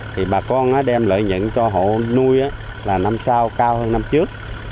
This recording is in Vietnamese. thì bà con nó đem lợi nhận cho hộ nuôi là năm sau cao hơn năm trước